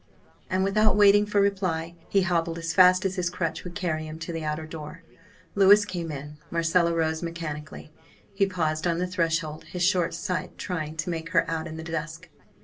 And, without waiting for reply, he hobbled as fast as his crutch would carry him to the outer door. Louis came in. Marcella rose mechanically. He paused on the threshold, his short sight trying to make her out in the dusk.